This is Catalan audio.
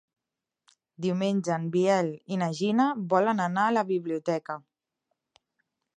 Diumenge en Biel i na Gina volen anar a la biblioteca.